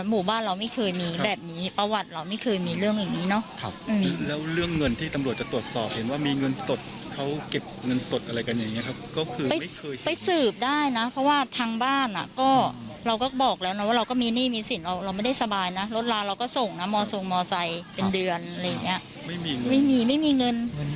ไม่ส่งนะไม่ส่งมอไซค์เป็นเดือนไม่มีเงิน